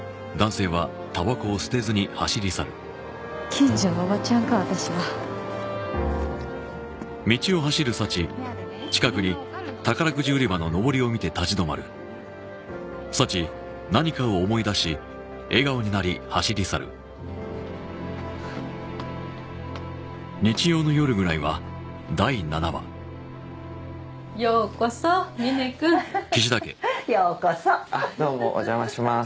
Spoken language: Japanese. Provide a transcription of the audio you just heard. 近所のおばちゃんか私はようこそみね君ははははっようこそあっどうもおじゃまします